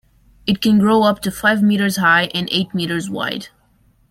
It can grow up to five metres high and eight metres wide.